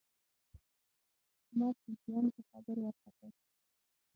احمد د زیان په خبر وارخطا شو.